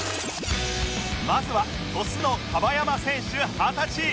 まずは鳥栖の樺山選手二十歳